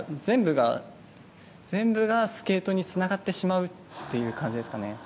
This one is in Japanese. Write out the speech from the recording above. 全部スケートにつながってしまうという感じですかね。